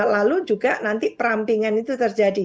lalu juga nanti perampingan itu terjadi